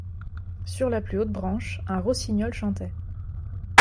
Sur la plus haute branche, un rossignol chantait.